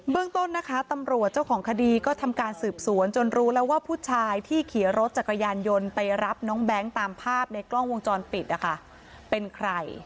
เรื่องต้นนะคะตำรวจเจ้าของคดีก็ทำการสืบสวนจนรู้แล้วว่าผู้ชายที่ขี่รถจักรยานยนต์ไปรับน้องแบงค์ตามภาพในกล้องวงจรปิดนะคะเป็นใคร